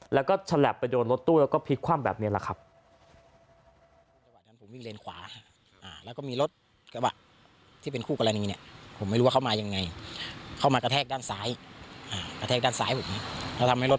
แล้วก็ฉลับไปโดนรถตู้แล้วก็พลิกคว่ำแบบนี้แหละครับ